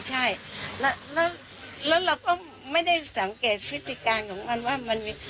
แล้วเราก็ไม่ได้สังเกตฯศิษย์การของมันว่า